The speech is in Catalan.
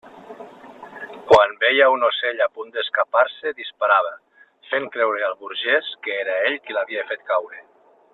Quan veia un ocell a punt d'escapar-se, disparava, fent creure al burgès que era ell qui l'havia fet caure.